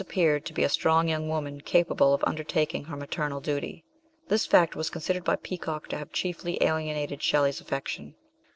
57 appeared to be a strong young woman capable of undertaking her maternal duty. This fact was con sidered by Peacock to have chiefly alienated Shelley's affection.